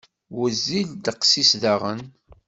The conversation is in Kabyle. Wezzil ddeqs-is daɣen.